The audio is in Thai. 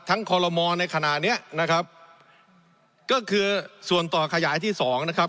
คอลโลมอลในขณะเนี้ยนะครับก็คือส่วนต่อขยายที่สองนะครับ